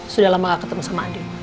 sudah lama gak ketemu sama andi